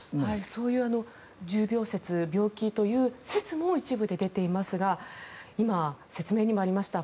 そういう重病説病気という説も一部で出ていますが今、説明にもありました